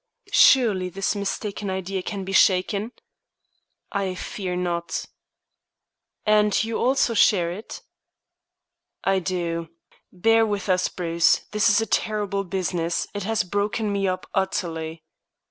"Surely this mistaken idea can be shaken?" "I fear not." "And you also share it?" "I do. Bear with us, Bruce. This is a terrible business. It has broken me up utterly."